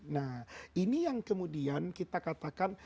nah ini yang kemudian kita katakan